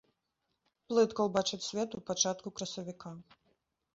Плытка ўбачыць свет ў пачатку красавіка.